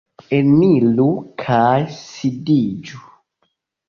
Eniru kaj sidiĝu!